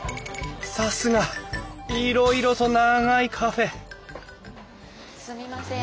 さすがいろいろと長いカフェすみません